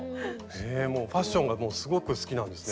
もうファッションがすごく好きなんですね。